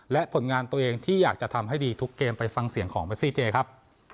และผลงานตัวเองที่อยากจะทำให้ดีทุกเกมไปฟังเสียงของเมซี่เจครับ